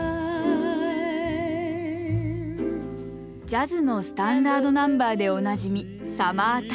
ジャズのスタンダードナンバーでおなじみ